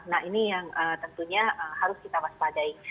nah ini yang tentunya harus kita waspadai